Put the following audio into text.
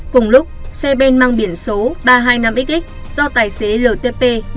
cùng lúc xe bên mang biển số ba trăm hai mươi năm xx do tài xế ltp